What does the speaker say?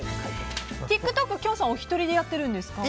ＴｉｋＴｏｋ、きょんさんお一人でやってるんですか？